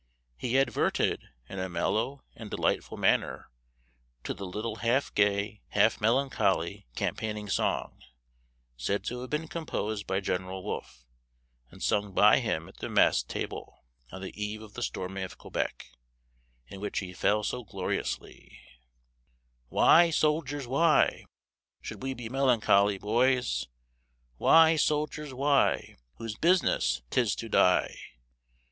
He adverted, in a mellow and delightful manner, to the little half gay, half melancholy, campaigning song, said to have been composed by General Wolfe, and sung by him at the mess table, on the eve of the storming of Quebec, in which he fell so gloriously: "Why, soldiers, why, Should we be melancholy, boys? Why, soldiers, why, Whose business 'tis to die!